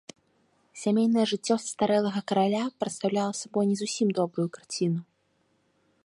Сямейнае жыццё састарэлага караля прадстаўляла сабой не зусім добрую карціну.